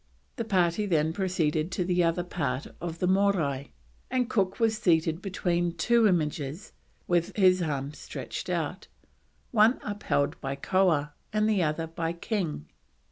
The party then proceeded to the other part of the Morai, and Cook was seated between two images with his arms stretched out, one upheld by Koah, the other by King.